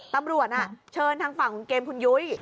ตำรวจเชิญทางฝั่งของเกมคุณยุ้ย